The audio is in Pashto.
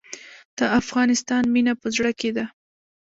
د افغانستان مینه په زړه کې ده